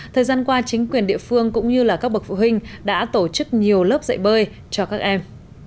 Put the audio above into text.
thời gian qua chính quyền địa phương cũng như các bậc phụ huynh đã tổ chức nhiều lớp dạy bơi cho các em